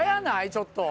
ちょっと。